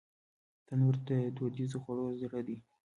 تنور د دودیزو خوړو زړه دی